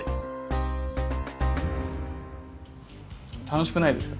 楽しくないですか？